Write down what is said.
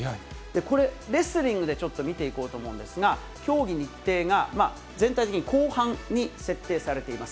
これ、レスリングでちょっと見ていこうと思うんですが、競技日程が、全体的に後半に設定されています。